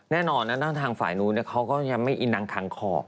แน่นอนนะทางฝ่ายนู้นเขาก็ยังไม่อินนางคังขอบ